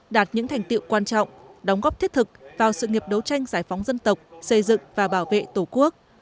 đạt những thành tiệu quan trọng đóng góp thiết thực vào sự nghiệp đấu tranh giải phóng dân tộc xây dựng và bảo vệ tổ quốc